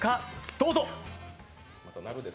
どうぞ。